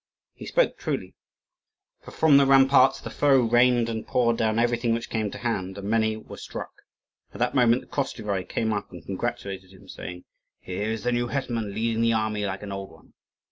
He spoke truly; for from the ramparts the foe rained and poured down everything which came to hand, and many were struck. At that moment the Koschevoi came up and congratulated him, saying, "Here is the new hetman leading the army like an old one!"